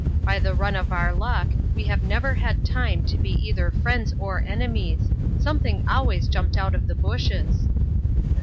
By the run of our luck we have never had time to be either friends or enemies. Something always jumped out of the bushes."